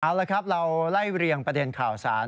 เอาละครับเราไล่เรียงประเด็นข่าวสาร